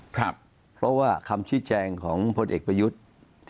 เพราะว่าคำชี้แจงของพลเอกประยุทธ์